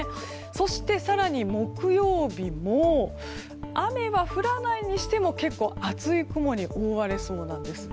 そして、更に木曜日も雨は降らないにしても結構、厚い雲に覆われそうなんです。